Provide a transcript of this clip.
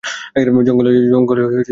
জঙ্গলে একটা বাড়ি আছে।